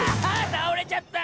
たおれちゃった！